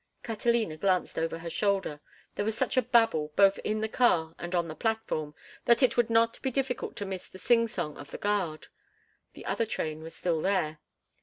Catalina glanced over her shoulder. There was such a babble, both in the car and on the platform, that it would not be difficult to miss the singsong of the guard. The other train was still there.